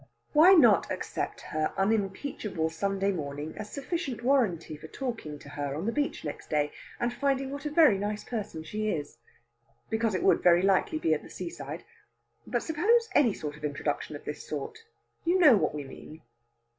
Why not accept her unimpeachable Sunday morning as sufficient warranty for talking to her on the beach next day, and finding what a very nice person she is? Because it would very likely be at the seaside. But suppose any sort of introduction of this sort you know what we mean!